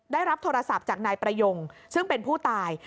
ได้รับโทรศัพท์จากนายประยงซึ่งเป็นผู้ตาย